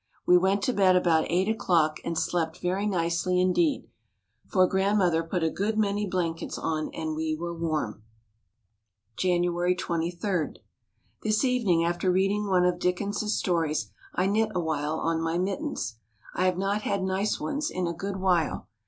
We went to bed about eight o'clock and slept very nicely indeed, for Grandmother put a good many blankets on and we were warm. January 23. This evening after reading one of Dickens' stories I knit awhile on my mittens. I have not had nice ones in a good while.